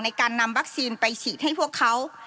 ในการนำวัคซีนไปฉีดให้พวกเขา